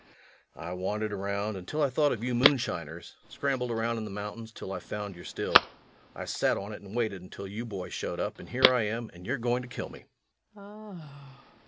I wandered around until I thought of you moonshiners ... scrambled around in the mountains until I found your still. I sat on it and waited until you boys showed up, and here I am, and you're going to kill me. LUKE.